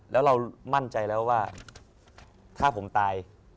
แล้วเรามั่นใจแล้วว่าถ้าผมตาย